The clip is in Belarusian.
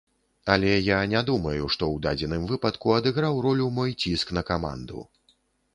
Але я не думаю, што ў дадзеным выпадку адыграў ролю мой ціск на каманду.